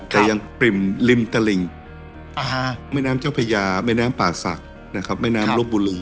แต่ยังปริ่มริมตลิ่งแม่น้ำเจ้าพญาแม่น้ำป่าศักดิ์นะครับแม่น้ำลบบุรี